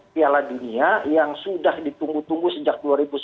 piala dunia yang sudah ditunggu tunggu sejak dua ribu sembilan belas